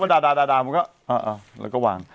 มันก็มันด่ามันก็อะแล้วก็วาง